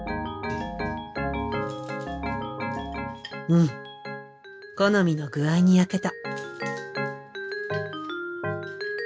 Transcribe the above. うん好みの具合に焼けた。